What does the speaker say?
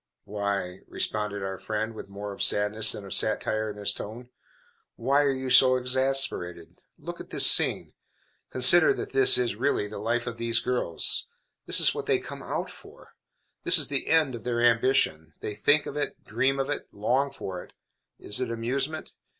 "Why," responded our friend with more of sadness than of satire in his tone, "why are you so exasperated? Look at this scene! Consider that this is, really, the life of these girls. This is what they 'come out' for. This is the end of their ambition. They think of it, dream of it, long for it. Is it amusement?